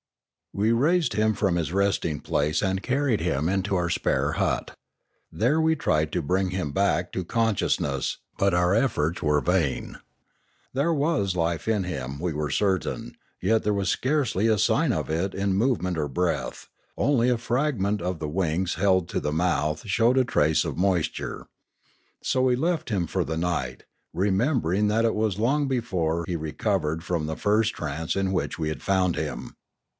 We raised him from his resting place and carried him into our spare hut. There we tried to bring him back to consciousness, but our efforts were vain. There was life in him, we were certain; yet there was scarce) v a sign of it in movement or breath, only a fragment of 7io Limanora the wings held to the mouth showed a trace of moisture. So we left him for the night, remembering that it was long before he recovered from the first trance in which we had found him.